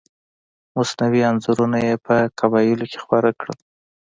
مصنوعي انځورونه یې په قبایلو کې خپاره کړل.